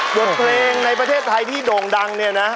บทเพลงในประเทศไทยที่โด่งดังเนี่ยนะ